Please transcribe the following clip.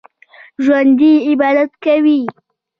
ژوندي عبادت کوي